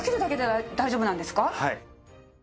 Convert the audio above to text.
はい。